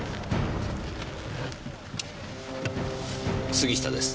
杉下です。